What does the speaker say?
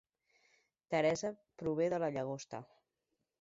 Teresa prové de la Llagosta